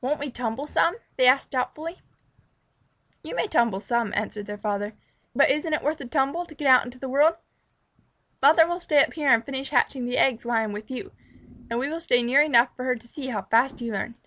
"Won't we tumble some?" they asked doubtfully. "You may tumble some," answered their father, "but isn't it worth a tumble to get out into the world? Mother will stay up here and finish hatching the eggs while I am with you, and we will stay near enough for her to see how fast you learn."